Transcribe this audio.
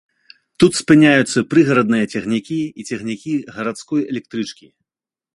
Тут спыняюцца прыгарадныя цягнікі і цягнікі гарадской электрычкі.